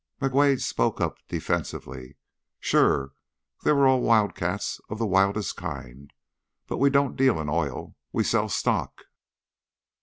McWade spoke up, defensively: "Sure. They were all wildcats of the wildest kind. But we don't deal in oil, we sell stock.